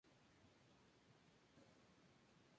La localidad es conocida por su producción de sal.